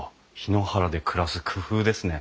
檜原で暮らす工夫ですね。